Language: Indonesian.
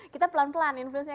kita pelan pelan influence nya